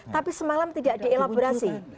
tapi semalam tidak dielaborasi